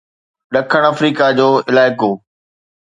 ڏکڻ آفريڪا جو علائقو